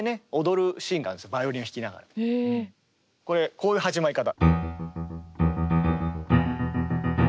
これこういう始まり方。